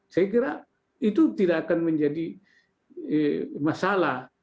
saya kira itu tidak akan menjadi masalah